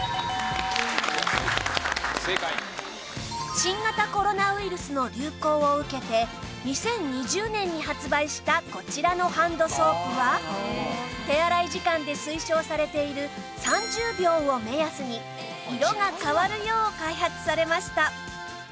新型コロナウイルスの流行を受けて２０２０年に発売したこちらのハンドソープは手洗い時間で推奨されている３０秒を目安に色が変わるよう開発されました